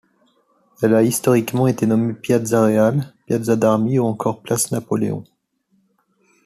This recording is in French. Elle a historiquement été nommée Piazza Reale, Piazza d'Armi ou encore place Napoléon.